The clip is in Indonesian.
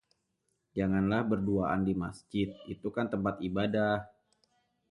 Janganlah berduaan di Masjid, itu kan tempat ibadah..